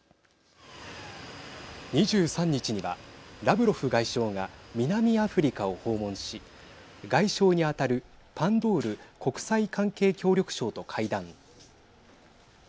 ２３日にはラブロフ外相が南アフリカを訪問し外相に当たるパンドール国際関係・協力相と会談。